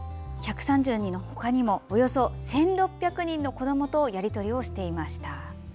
１３０人のほかにもおよそ１６００人の子どもとやり取りをしていました。